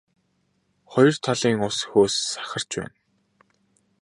Хоёр талын ус хөөс сахарч байна.